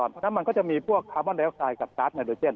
เพราะฉะนั้นมันก็จะมีพวกคาร์บอนเลไซด์กับการ์ดไนโดเจน